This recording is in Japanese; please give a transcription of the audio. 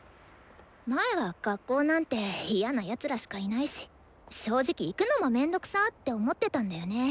前は学校なんて嫌な奴らしかいないし正直行くのも面倒くさって思ってたんだよね。